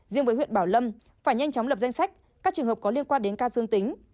riêng với huyện bảo lâm phải nhanh chóng lập danh sách các trường hợp có liên quan đến ca dương tính